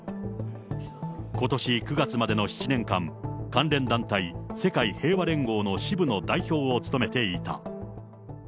ことし９月までの７年間、関連団体、世界平和連合の支部の代表を務めていた。